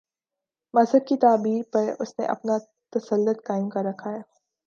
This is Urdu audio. مذہب کی تعبیر پر اس نے اپنا تسلط قائم کر رکھا ہے۔